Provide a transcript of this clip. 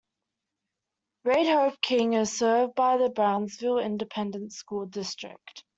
Reid Hope King is served by the Brownsville Independent School District.